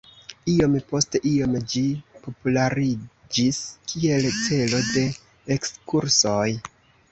Iom post iom ĝi populariĝis kiel celo de ekskursoj.